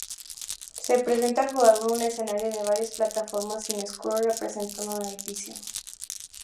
Se presenta al jugador un escenario de varias plataformas sin scroll representando un edificio.